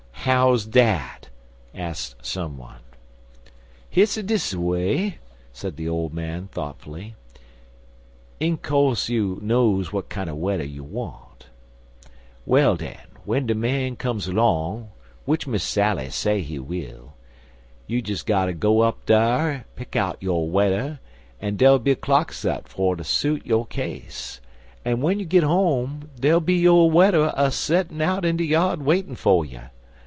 "How's dat?" asked some one. "Hit's dis way," said the old man, thoughtfully. "In co'se you knows w'at kinder wedder you wants. Well, den, w'en de man comes long, w'ich Miss Sally say he will, you des gotter go up dar, pick out yo' wedder an' dere'll be a clock sot fer ter suit yo' case, an' w'en you git home, dere'll be yo' wedder a settin' out in de yard waitin' fer you.